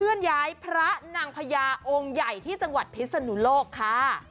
ย้ายพระนางพญาองค์ใหญ่ที่จังหวัดพิศนุโลกค่ะ